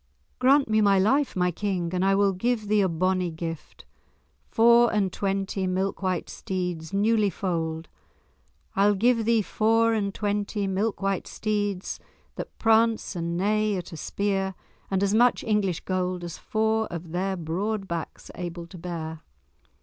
"Grant me my life, my King, and I will give thee a bonnie gift—four and twenty milk white steeds, newly foaled—I'll give thee four and twenty milk white steeds that prance and neigh at a spear, and as much English gold as four of their broad backs are able to bear."